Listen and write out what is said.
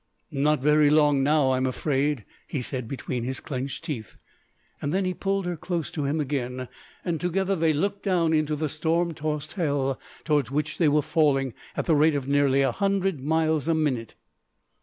"Not very long now, I'm afraid," he said between his clenched teeth. And then he pulled her close to him again, and together they looked down into the storm tossed hell towards which they were falling at the rate of nearly a hundred miles a minute.